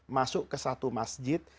masuk ke satu masjid